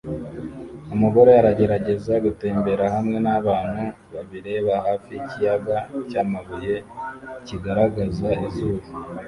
Umugore aragerageza gutembera hamwe nabantu babireba hafi yikiyaga cyamabuye kigaragaza izuba